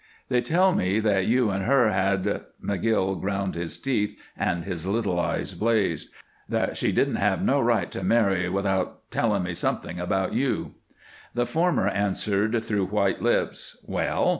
"They tell me that you and her had " McGill ground his teeth, and his little eyes blazed "that she didn't have no right to marry without telling me something about you." The former answered through white lips: "Well?